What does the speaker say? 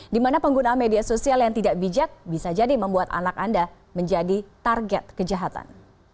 di mana pengguna media sosial yang tidak bijak bisa jadi membuat anak anda menjadi target kejahatan